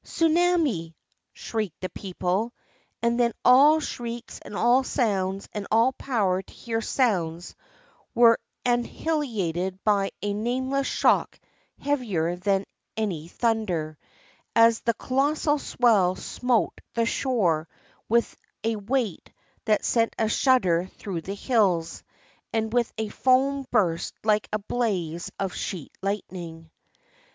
" Tsunami! " shrieked the people, and then all shrieks and all sounds and all power to hear sounds were anni hilated by a nameless shock heavier than any thunder, as the colossal swell smote the shore with a weight that sent a shudder through the hills, and with a foam burst like a blaze of sheet lightning.